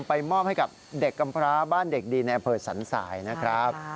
มอบให้กับเด็กกำพร้าบ้านเด็กดีในอำเภอสันสายนะครับ